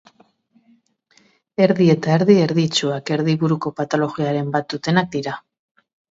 Erdi eta erdi, erdi itsuak, erdi buruko patologiaren bat dutenak dira.